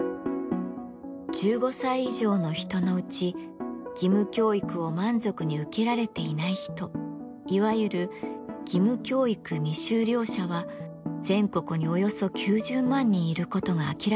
１５歳以上の人のうち義務教育を満足に受けられていない人いわゆる義務教育未修了者は全国におよそ９０万人いることが明らかになりました。